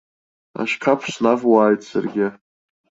Ашьқаԥ снавуааит саргьы.